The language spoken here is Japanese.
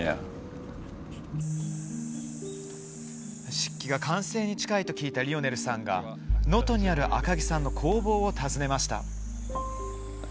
漆器が完成に近いと聞いたリオネルさんが能登にある赤木さんの工房を訪ねました。